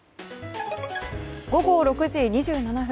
午後６時２７分。